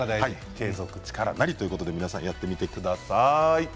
継続は力なりということで皆さんやってみてください。